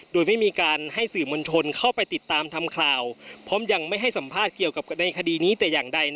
โดยไม่มีการให้สื่อมวลชนเข้าไปติดตามทำข่าวพร้อมยังไม่ให้สัมภาษณ์เกี่ยวกับในคดีนี้แต่อย่างใด